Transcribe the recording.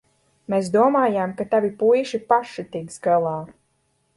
Mēs domājām, ka tavi puiši paši tiks galā.